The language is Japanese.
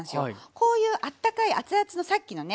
こういうあったかい熱々のさっきのね